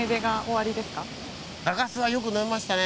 中洲はよく飲みましたね。